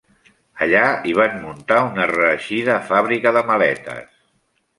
Allà hi van muntar una reeixida fàbrica de maletes.